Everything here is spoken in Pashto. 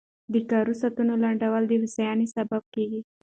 د کاري ساعتونو لنډول د هوساینې سبب کېږي.